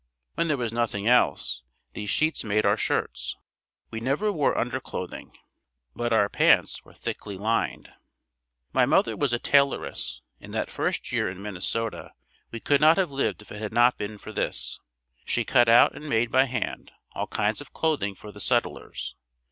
When there was nothing else, these sheets made our shirts. We never wore underclothing, but our pants were thickly lined. My mother was a tailoress and that first year in Minnesota we could not have lived if it had not been for this. She cut out and made by hand all kinds of clothing for the settlers.